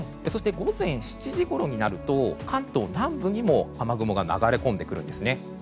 そして、午前７時ごろになると関東南部にも雨雲が流れ込んでくるんですね。